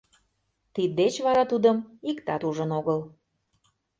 Тиддеч вара тудым иктат ужын огыл.